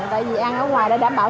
tại vì ăn ở ngoài để đảm bảo